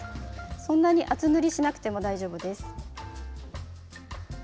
そんなに厚塗りしなくて大丈夫です。